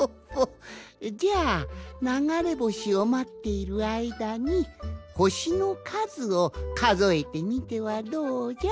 じゃあながれぼしをまっているあいだにほしのかずをかぞえてみてはどうじゃ？